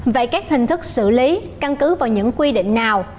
vậy các hình thức xử lý căn cứ vào những quy định nào